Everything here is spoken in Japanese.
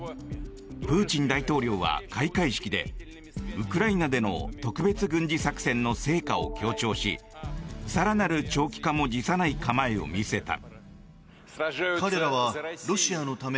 プーチン大統領は開会式でウクライナでの特別軍事作戦の成果を強調し更なる長期化も辞さない構えを見せた。